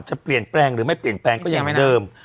จะเปลี่ยนแปลงหรือไม่เปลี่ยนแปลงก็ยังเหมือนเดิม